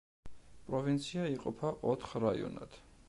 პროვინცია იყოფა ოთხ რაიონად.